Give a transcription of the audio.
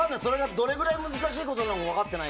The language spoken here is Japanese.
どれぐらい難しいことかも分かってない。